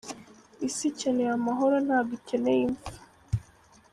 Isi ikeneye amahoro ntabwo ikeneye impfu.”